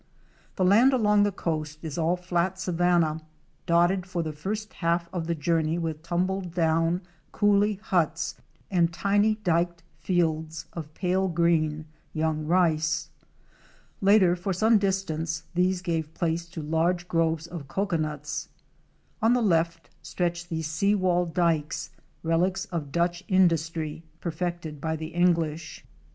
351 The land along the coast is all flat savanna, dotted for the first half of the journey with tumbled down coolie huts and tiny dyked fields of pale green young rice. Later for some distance these give place to large groves of cocoanuts. On the left, stretch the seawall dykes, relics of Dutch in dustry, perfected by the English.